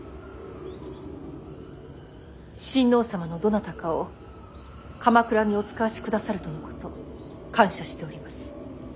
親王様のどなたかを鎌倉にお遣わしくださるとのこと感謝しております。